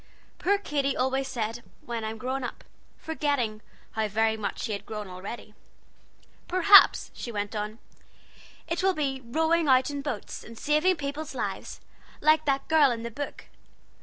(Poor Katy always said "when I'm grown up," forgetting how very much she had grown already.) "Perhaps," she went on, "it will be rowing out in boats, and saving peoples' lives, like that girl in the book.